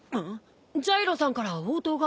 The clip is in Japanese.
ジャイロさんから応答が。